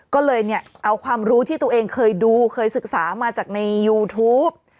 ก็เลยเนี่ยเอาความรู้ที่ตัวเองเคยดูเคยศึกษามาจากในยูทูป